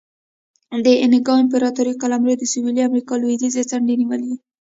د اینکا امپراتورۍ قلمرو د سویلي امریکا لوېدیځې څنډې نیولې.